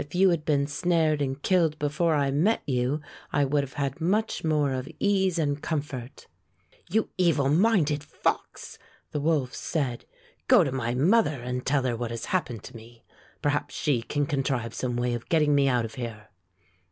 If you had been snared and killed before I met you, I would have had much more of ease and comfort." "You evil minded fox!" the wolf said; "go to my mother and tell her what has hap pened to me. Perhaps she can contrive some way of getting me out of here."